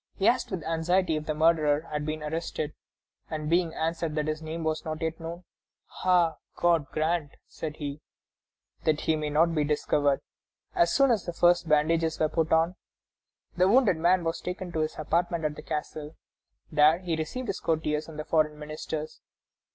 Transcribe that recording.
He asked with anxiety if the murderer had been arrested, and being answered that his name was not yet known: "Ah! God grant," said he, "that he may not be discovered!" As soon as the first bandages were put on, the wounded man was taken to his apartments at the castle. There he received his courtiers and the foreign ministers.